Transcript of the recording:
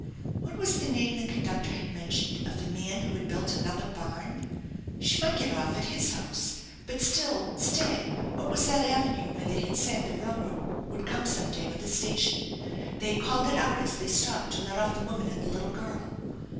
What was the name the conductor had mentioned of the man who had built another barn ? She might get off at his house, but still stay what was that avenue where they had said the railroad would come some day with a station? They had called it out as they stopped to let off the woman and the little girl.